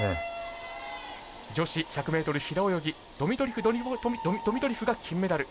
女子１００ｍ平泳ぎドミトリフドミトリフが金メダル。